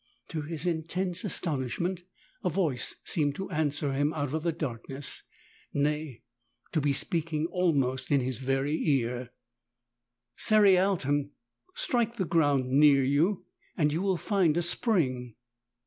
To his intense astonishment a voice seemed to answer him out of the darkness — nay, to be speaking almost in his very ear : "Cerialton, strike the ground near you, and you will find a spring."